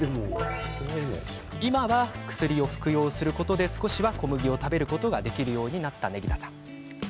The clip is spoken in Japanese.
今は、薬を服用することで少しは小麦を食べることができるようになった祢宜田さん。